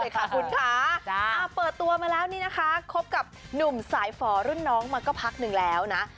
ใช่ค่ะคุณค่ะเปิดตัวมาแล้วนี่นะคะคบกับหนุ่มสายฝ่อรุ่นน้องมาก็พักหนึ่งแล้วนะ